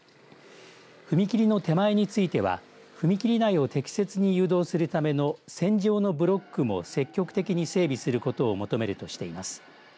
踏切の手前については踏切内を適切に誘導するための線状のブロックも積極的に整備することをまとめるとしています。